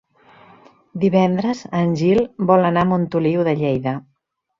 Divendres en Gil vol anar a Montoliu de Lleida.